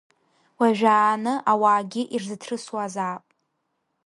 Уажәааны ауаагьы ирзыҭрысуазаап.